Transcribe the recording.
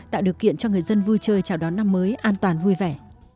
tạo điều kiện cho người dân vui chơi chào đón năm mới an toàn vui vẻ